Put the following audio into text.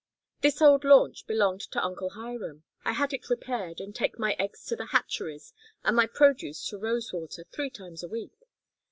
This old launch belonged to Uncle Hiram. I had it repaired, and take my eggs to the hatcheries and my produce to Rosewater three times a week.